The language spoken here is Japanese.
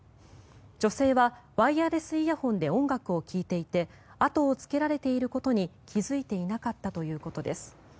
女性はワイヤレスイヤホンで音楽を聴いていて後をつけられていることに気付いていなかったということです。